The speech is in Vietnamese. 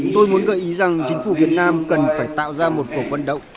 tôi muốn gợi ý rằng chính phủ việt nam cần phải tạo ra một cuộc vận động